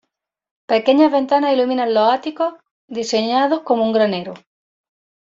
Pequeñas ventanas iluminan los ático, diseñados como un granero.